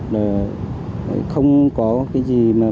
đó là không có cái gì mà